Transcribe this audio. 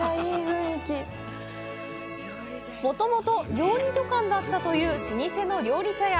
もともと料理旅館だったという老舗の料理茶屋。